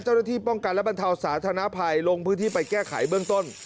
เจ้าหน้าที่ป้องกันและบรรเทาสาธารณภัยลงพื้นที่ไปแก้ไขเบื้องต้น